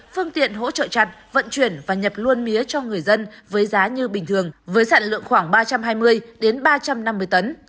phương tiện hỗ trợ chặt vận chuyển và nhập luôn mía cho người dân với giá như bình thường với sản lượng khoảng ba trăm hai mươi ba trăm năm mươi tấn